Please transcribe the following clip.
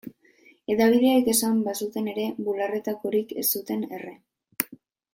Hedabideek esan bazuten ere, bularretakorik ez zuten erre.